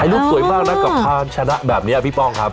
ลูกสวยมากนะกับความชนะแบบนี้พี่ป้องครับ